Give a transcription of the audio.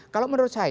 kalau menurut saya